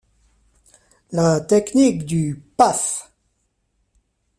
La technique du « Paf!